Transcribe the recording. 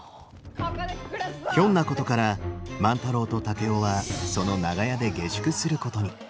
ひょんなことから万太郎と竹雄はその長屋で下宿することに。